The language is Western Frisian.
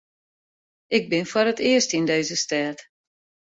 Ik bin foar it earst yn dizze stêd.